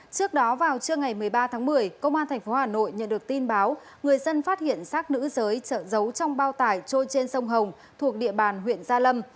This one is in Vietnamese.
trước đó vào trưa ngày một mươi ba tháng một mươi công an tp hà nội nhận được tin báo người dân phát hiện xác nữ giới trợ giấu trong bao tải trôi trên sông hồng thuộc địa bàn huyện gia lâm